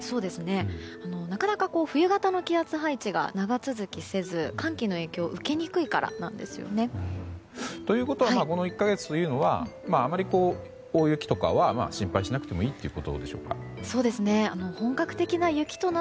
なかなか冬型の気圧配置が長続きせず寒気の影響を受けにくいからなんですね。ということはこの１か月というのはあまり大雪とかは心配しなくていいってことですかね。